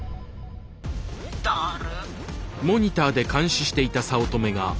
「だる」。